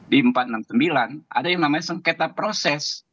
di empat ratus enam puluh sembilan ada yang namanya sengketa proses